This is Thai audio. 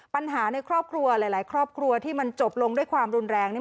ปัญหาในครอบครัวหลายครอบครัวที่มันจบลงด้วยความรุนแรงนี่